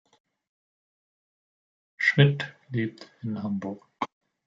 Schmid lebt in Hamburg.